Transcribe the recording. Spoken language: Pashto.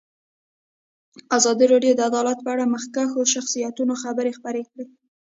ازادي راډیو د عدالت په اړه د مخکښو شخصیتونو خبرې خپرې کړي.